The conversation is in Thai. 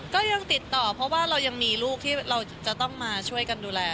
ก็ยังติดต่อเพราะว่าเรายังมีลูกที่เราจะต้องมาช่วยกันดูแล